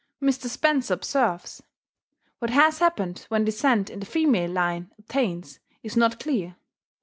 Mr. Spencer observes: "What has happened when descent in the female line obtains, is not clear.